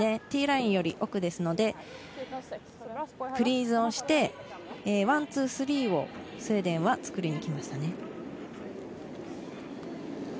ティーラインより奥なので、フリーズしてワン、ツー、スリーをスウェーデンは作りに行きました。